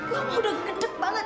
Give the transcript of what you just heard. lo udah ngedek banget